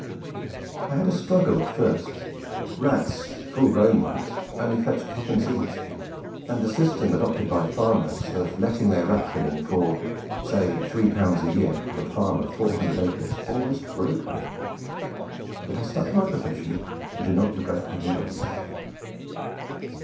_ I had a struggle at first. Rats, full grown ones, only fetched twopence each, and the system adopted by farmers of letting their rat killing, for, say, three pounds a year for a farm of 400 acres, almost broke me; but I stuck to my profession, and do not regret having done so.